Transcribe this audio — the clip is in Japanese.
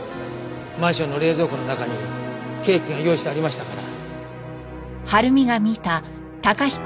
マンションの冷蔵庫の中にケーキが用意してありましたから。